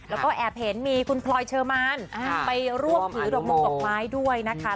แล้วก็แอบเห็นมีคุณพลอยเชอร์มานไปร่วมถือดอกมงดอกไม้ด้วยนะคะ